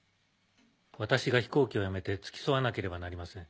私が飛行機をやめて付き添わなければなりません。